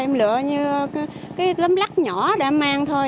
em lựa như cái lấm lắc nhỏ để em mang thôi